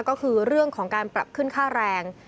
ก็คือเรื่องของการปรับขึ้นค่าแรง